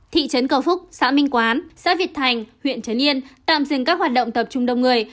thị trấn cầu phúc xã minh quán xã việt thành huyện trấn yên tạm dừng các hoạt động tập trung đông người